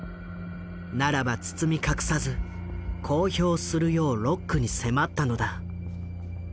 ならば包み隠さず公表するようロックに迫ったのだ。